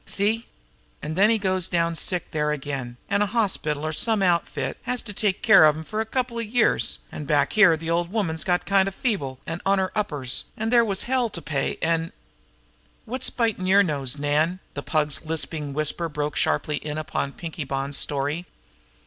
See? An' then he goes down sick there again, an' a hospital, or some outfit, has to take care of him for a couple of years; an' back here the old woman got kind of feeble an' on her uppers, an there was hell to pay, an' " "Wot's bitin' youse, Nan?" The Pug's lisping whisper broke sharply in upon Pinkie Bonn's story.